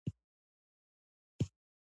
ما وکتل چې هغه خپل پلار سره خبرې کوي